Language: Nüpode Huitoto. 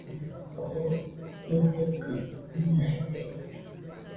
Oo ɨfogɨ uinaide